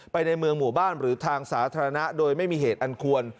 ในเมืองหมู่บ้านหรือทางสาธารณะโดยไม่มีเหตุอันควร